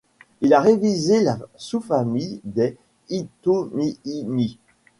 Il a révisé la sous-famille des Ithomiini.